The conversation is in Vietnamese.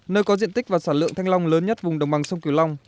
nơi có diện tích và sản lượng thanh long lớn nhất vùng đồng bằng sông cửu long